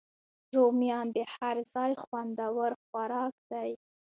رومیان د هر ځای خوندور خوراک دی